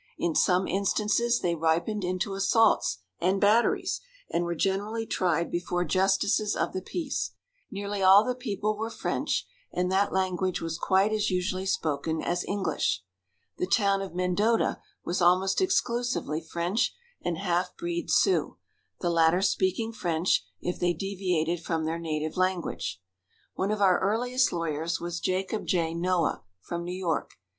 In some instances they ripened into assaults and batteries, and were generally tried before justices of the peace. Nearly all the people were French, and that language was quite as usually spoken as English. The town of Mendota was almost exclusively French and half breed Sioux, the latter speaking French if they deviated from their native tongue. One of our earliest lawyers was Jacob J. Noah, from New York.